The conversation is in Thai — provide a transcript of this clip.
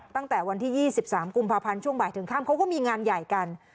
ตั้งแต่วันที่๒๓กุมภาพันธ์ช่วงบ่ายถึงค่ำเขาก็มีงานใหญ่กัน